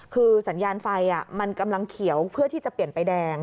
คือสัญญาณไฟมันกำลังเขียวเพื่อที่จะเปลี่ยนไปแดง